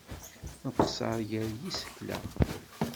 Nqeṣṣer gar yisekla.